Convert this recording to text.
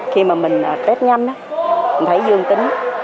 khi mà mình test nhanh đó mình thấy dương tính